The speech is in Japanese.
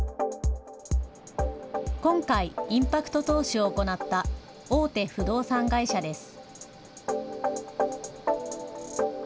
今回、インパクト投資を行った大手不動産会社です。